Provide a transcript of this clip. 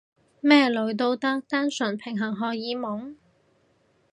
咩女都得？單純平衡荷爾蒙？